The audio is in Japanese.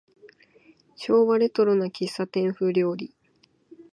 昭和レトロな喫茶店風料理